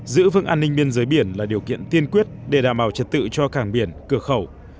giữ vững an ninh biên giới biển là điều kiện tiên quyết để đảm bảo trật tự cho cảng biển cửa khẩu